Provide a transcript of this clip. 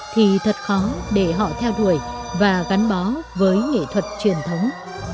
thì thật khó để họ theo đuổi và gắn bó với nghệ thuật truyền thống